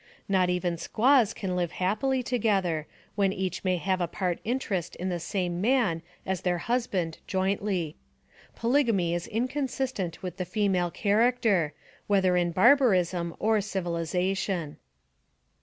Not even &juaws can live happily together, when each may have a part interest in the same man as their husband jointly. Polygamy is inconsistent with the female character, whether in barbarism or civilization.